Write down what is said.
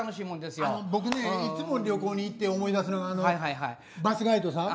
僕ねいつも旅行に行って思い出すのがバスガイドさん。